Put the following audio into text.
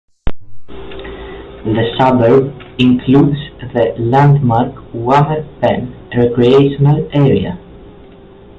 The suburb includes the landmark Wemmer Pan recreational area.